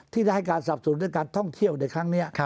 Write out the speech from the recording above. ที่ได้ให้การสรรพสูจน์ด้วยการท่องเที่ยวในครั้งนี้